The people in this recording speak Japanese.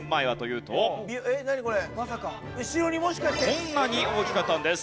こんなに大きかったんです。